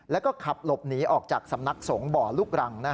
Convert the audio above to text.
แล้วก็ขับหลบหนีออกจากสำนักสงฆ์บ่อลูกรัง